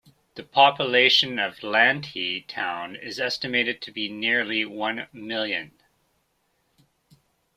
The population of Landhi Town is estimated to be nearly one million.